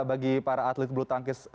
bagi para atlet blu tankis